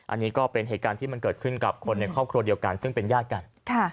อันนี้ก็เป็นเหตุการณ์ที่มันเกิดขึ้นกับคนในครอบครัวเดียวกันซึ่งเป็นญาติกัน